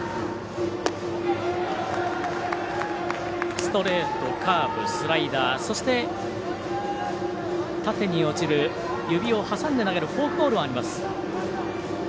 ストレート、カーブ、スライダーそして、縦に落ちる指を挟んで投げるフォークボールもあります。